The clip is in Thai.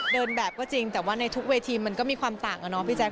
เดินแบบก็จริงแต่ว่าในทุกเวทีมันก็มีความต่างอะเนาะพี่แจ๊